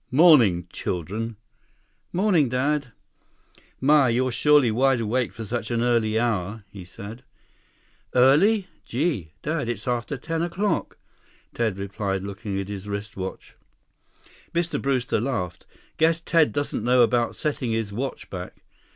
"Morning, children." "Morning, Dad." "My, you're surely wide awake for such an early hour!" he said. "Early? Gee, Dad, it's after ten o'clock," Ted replied, looking at his wrist watch. Mr. Brewster laughed. "Guess Ted doesn't know about setting his watch back.